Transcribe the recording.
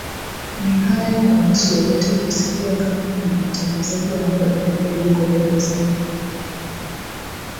ni hayo kwa nchi yoyote kusikia kama kuna mtangazaji wa habari ambaye yuko gerezani